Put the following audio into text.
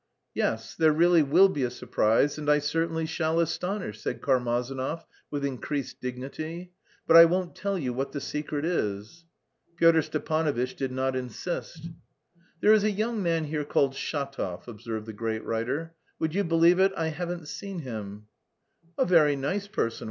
"Yes, there really will be a surprise and I certainly shall astonish..." said Karmazinov with increased dignity. "But I won't tell you what the secret is." Pyotr Stepanovitch did not insist. "There is a young man here called Shatov," observed the great writer. "Would you believe it, I haven't seen him." "A very nice person.